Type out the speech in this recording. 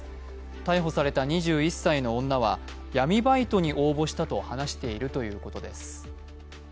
逮捕された２１歳の女は闇バイトに応募したと話ているということです。